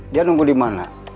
dia nunggu dimana